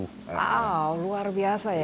wow luar biasa ya